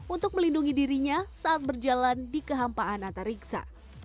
untuk melindungi dirinya saat berjalan di kehampaan antariksa